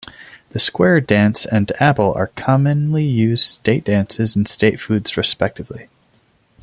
The square dance and apple are commonly used state dances and state foods, respectively.